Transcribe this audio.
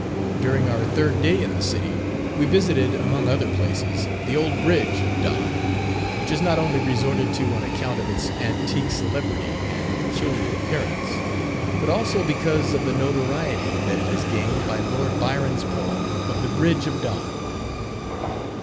During our third day in the city, we visited among other places the Old Bridge of Don, which is not only resorted to on account of its antique celebrity and peculiar appearance, but also because of the notoriety that it has gained by Lord Byron's poem of the "Bridge of Don."